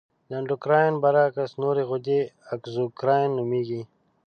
د اندورکراین برعکس نورې غدې اګزوکراین نومیږي.